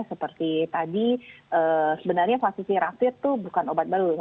seperti tadi sebenarnya vaksin tirafir itu bukan obat baru